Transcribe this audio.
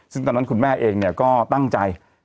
ซึ่งตอนนั้นคุณแม่เองเนี่ยก็ตั้งใจ